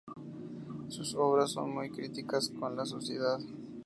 Sus obras son muy críticas con la sociedad.